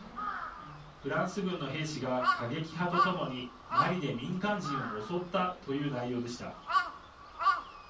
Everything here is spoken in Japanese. フランス軍の兵士が過激派と共にマリで民間人を襲ったという内容でした。